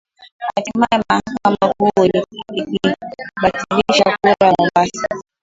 hatimaye mahakama kuu ikabatilisha kura ya Mombasa